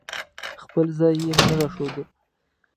خپل ځای یې نه راښوده.